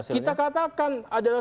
kita katakan adalah